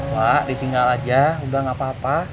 pak ditinggal aja udah gak apa apa